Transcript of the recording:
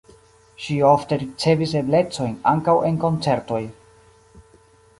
Ŝi ofte ricevis eblecojn ankaŭ en koncertoj.